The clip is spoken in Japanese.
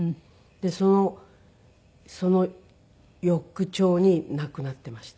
でその翌朝に亡くなってました